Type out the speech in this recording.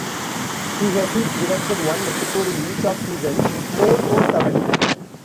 He has since directed one episode in each of seasons four through seven.